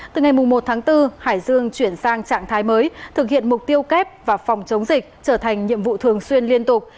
từ ngày một tháng bốn hải dương chuyển sang trạng thái mới thực hiện mục tiêu kép và phòng chống dịch trở thành nhiệm vụ thường xuyên liên tục